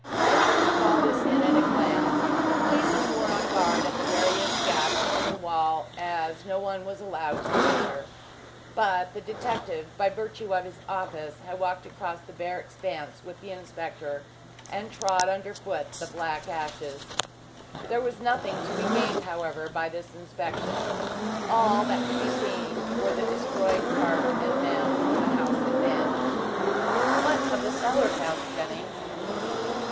Jennings took all this in at a glance. Policemen were on guard at the various gaps in the wall, as no one was allowed to enter. But the detective, by virtue of his office, walked across the bare expanse with the inspector, and trod under foot the black ashes. There was nothing to be gained, however, by this inspection. All that could be seen were the destroyed park and the mound where the house had been. "What of the cellars?" asked Jennings.